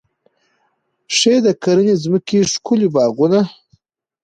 ښې د کرنې ځمکې، ښکلي باغونه